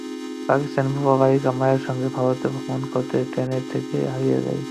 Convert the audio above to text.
পাকিস্তানি বোবা বালিকা মায়ের সঙ্গে ভারতে ভ্রমণ করতেএসে ট্রেন থেকে হারিয়ে যায়।